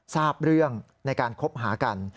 ทราบเรื่องในการคบหากัน